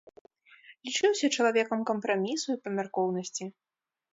Лічыўся чалавекам кампрамісу і памяркоўнасці.